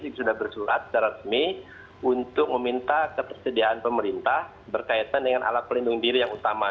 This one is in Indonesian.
ini sudah bersurat secara resmi untuk meminta ketersediaan pemerintah berkaitan dengan alat pelindung diri yang utama